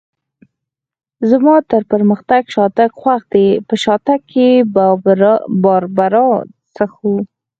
زما تر پرمختګ شاتګ خوښ دی، په شاتګ کې باربرا څښو.